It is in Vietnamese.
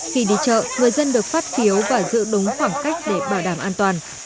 khi đi chợ người dân được phát phiếu và giữ đúng khoảng cách để bảo đảm an toàn